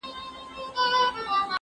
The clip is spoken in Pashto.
کېدای سي خبري اوږدې سي!